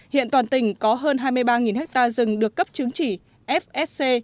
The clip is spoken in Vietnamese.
hiện toàn tỉnh có hơn hai mươi ba ha rừng được cấp chứng chỉ fsc